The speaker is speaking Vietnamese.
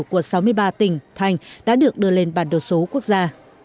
của sáu mươi ba tỉnh thành đã được đưa lên bản đồ số quốc gia